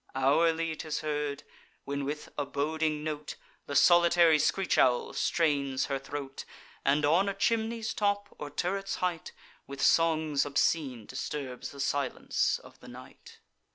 Hourly 'tis heard, when with a boding note The solitary screech owl strains her throat, And, on a chimney's top, or turret's height, With songs obscene disturbs the silence of the night.